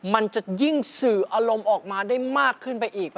มันจะยิ่งสื่ออารมณ์ออกมาได้มากขึ้นไปอีก